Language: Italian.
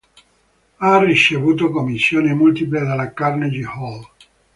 Ha ricevuto commissioni multiple dalla Carnegie Hall.